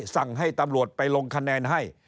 สั่งให้ตำรวจไปลงคะแนนให้